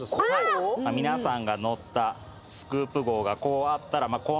皆さんが乗ったスクープ号がこうあったらこんな感じ。